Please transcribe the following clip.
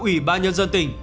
ủy ban nhân dân tỉnh